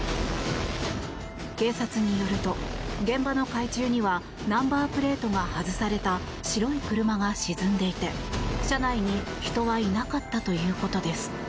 警察によると現場の海中にはナンバープレートが外された白い車が沈んでいて車内に人はいなかったということです。